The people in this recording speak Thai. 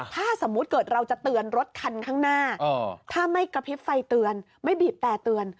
ถ้าสมมุติเกิดเราจะเตือนรถคันข้างหน้าถ้าไม่กระพริบไฟเตือนไม่บีบแต่เตือน